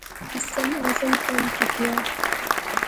اسم اعظم کم کیتیا